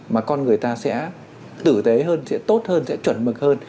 mà con người ta sẽ tử tế hơn sẽ tốt hơn sẽ chuẩn mực hơn